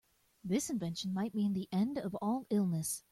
This invention might mean the end of all illness.